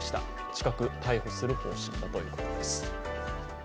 近く逮捕する方針だということです。